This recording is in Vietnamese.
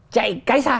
chạy cái sai